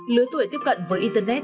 lứa tuổi tiếp cận với internet